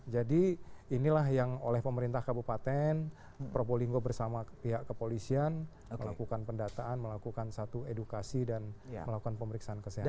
jadi inilah yang oleh pemerintah kabupaten propolinggo bersama pihak kepolisian melakukan pendataan melakukan satu edukasi dan melakukan pemeriksaan kesehatan